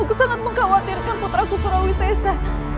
aku sangat mengkhawatirkan putraku surawisesa